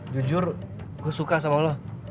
jujur gue suka sama allah